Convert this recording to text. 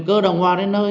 cơ đồng vào đến nơi